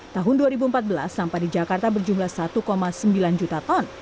tahun dua ribu empat belas sampah di jakarta berjumlah satu sembilan juta ton